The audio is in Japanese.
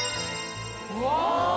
うわ！